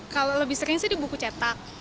kalau lebih sering sih di buku cetak